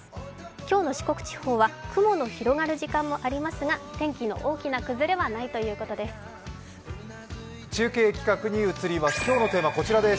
今日の四国地方は雲が広がる時間帯もありますがお天気の大きな崩れはないということです。